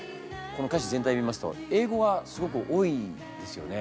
この歌詞全体を見ますと英語がすごく多いですよね。